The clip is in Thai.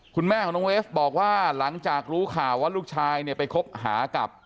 คุณแม่ของน้องเวฟบอกว่าหลังจากรู้ข่าวว่าลูกชายเนี่ยไปคบหากับ